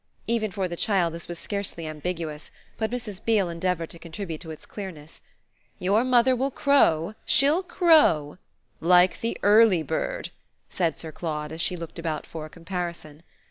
Even for the child this was scarcely ambiguous; but Mrs. Beale endeavoured to contribute to its clearness. "Your mother will crow, she'll crow " "Like the early bird!" said Sir Claude as she looked about for a comparison.